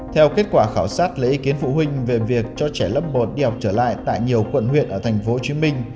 theo kết quả khảo sát lấy ý kiến phụ huynh về việc cho trẻ lớp một đi học trở lại tại nhiều quận huyện ở tp hcm